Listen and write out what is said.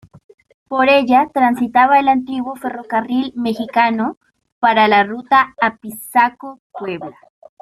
Por ella transitaba el antiguo Ferrocarril Mexicano para la ruta Apizaco-Puebla.